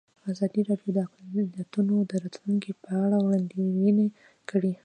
ازادي راډیو د اقلیتونه د راتلونکې په اړه وړاندوینې کړې.